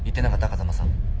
風間さん。